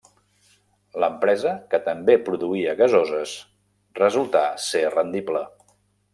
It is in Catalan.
L'empresa, que també produïa gasoses, resultà ser rendible.